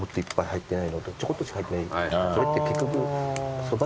それって結局。